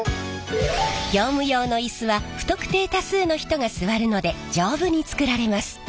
業務用のイスは不特定多数の人が座るので丈夫に作られます。